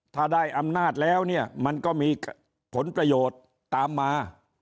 ถ้าได้อำนาจแล้วเนี่ยมันก็มีผลประโยชน์ตามมา